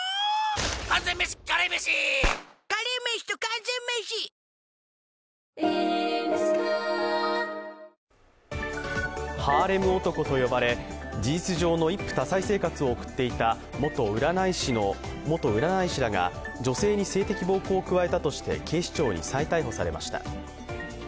完全メシカレーメシカレーメシと完全メシハーレム男と呼ばれ事実上の一夫多妻生活を送っていた元占い師らが女性に性的暴行を加えたとして警視庁に再逮捕されました。